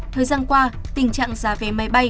thời gian qua tình trạng giá vé máy bay